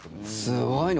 すごいね。